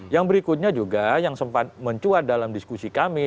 yang berikutnya juga yang sempat mencuat dalam diskusi kami